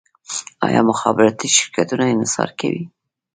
آیا مخابراتي شرکتونه انحصار کوي؟